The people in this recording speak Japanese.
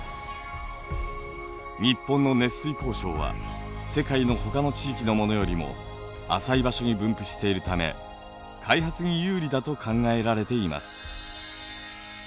日本の熱水鉱床は世界のほかの地域のものよりも浅い場所に分布しているため開発に有利だと考えられています。